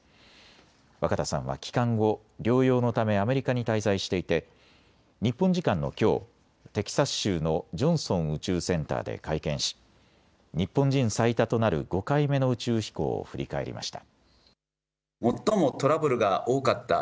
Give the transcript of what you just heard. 若田さんは帰還後、療養のためアメリカに滞在していて日本時間のきょう、テキサス州のジョンソン宇宙センターで会見し日本人最多となる５回目の宇宙飛行を振り返りました。